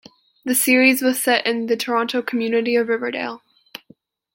The series was set in the Toronto community of Riverdale.